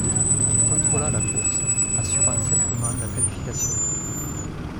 Il contrôla la course, assurant simplement la qualification.